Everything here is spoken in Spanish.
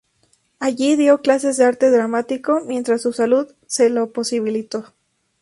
Allí dio clases de arte dramático mientras su salud se lo posibilitó.